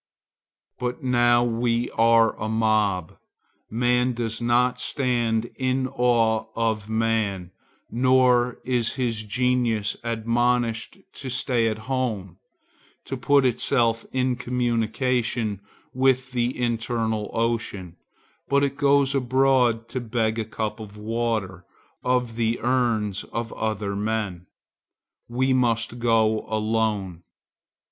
But now we are a mob. Man does not stand in awe of man, nor is his genius admonished to stay at home, to put itself in communication with the internal ocean, but it goes abroad to beg a cup of water of the urns of other men. We must go alone.